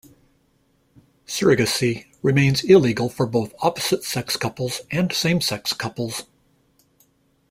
Surrogacy remains illegal for both opposite-sex couples and same-sex couples.